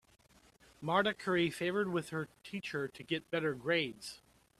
Marta curry favored with her teacher to get better grades.